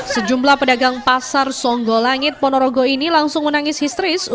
sejumlah pedagang pasar songgolangit ponorogo ini langsung menangis histeris